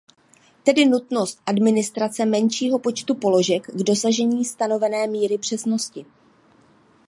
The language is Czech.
Tedy nutnost administrace menšího počtu položek k dosažení stanovené míry přesnosti.